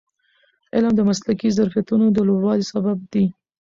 علم د مسلکي ظرفیتونو د لوړوالي سبب دی.